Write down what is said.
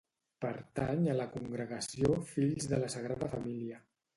Pertany a la congregació Fills de la Sagrada Família.